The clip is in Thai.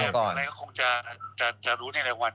พี่เตรียมว่าก่อน